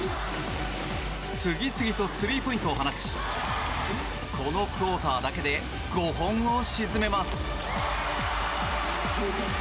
次々とスリーポイントを放ちこのクオーターだけで５本を沈めます。